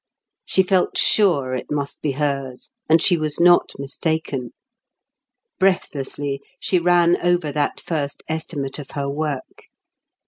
She felt sure it must be hers, and she was not mistaken. Breathlessly she ran over that first estimate of her work.